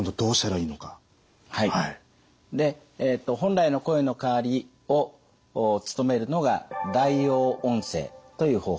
で本来の声の代わりを務めるのが代用音声という方法です。